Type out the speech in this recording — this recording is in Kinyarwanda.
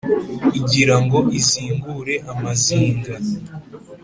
igira ngo izingure amazinga